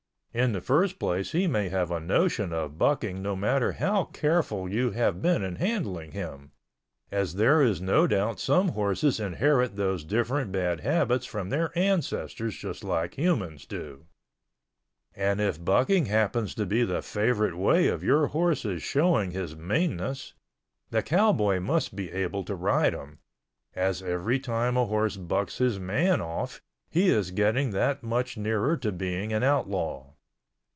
In the first place he may have a notion of bucking no matter how careful you have been in handling him, as there is no doubt some horses inherit those different bad habits from their ancestors just like humans do, and if bucking happens to be the favorite way of your horse's showing his meanness, the cowboy must be able to ride him, as every time a horse bucks his man off he is getting that much nearer to being an outlaw.